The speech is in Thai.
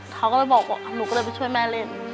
เค้าก็เลยบอกว่าหนูก็เลยไปช่วยแม่เล่น